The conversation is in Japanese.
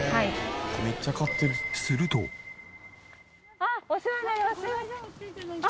あっお世話になります。